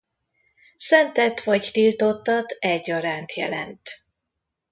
Szentet vagy tiltottat egyaránt jelent.